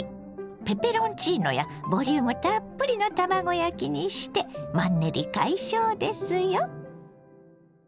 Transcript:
ペペロンチーノやボリュームたっぷりの卵焼きにしてマンネリ解消ですよ。